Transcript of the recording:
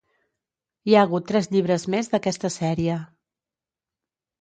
Hi ha hagut tres llibres més d'aquesta sèrie.